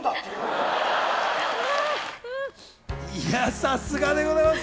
さすがでございます。